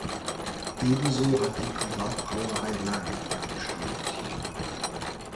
Ebenso hat die Privatbrauerei Lang ihren Standort hier.